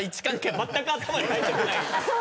まったく頭に入ってこない。